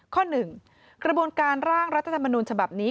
ข้อหนึ่งกระบวนการร่างรัฐธรรมนูญฉบับนี้